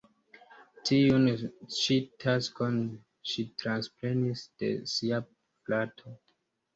Tiun ĉi taskon ŝi transprenis de sia frato.